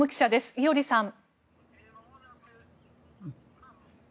伊従さん。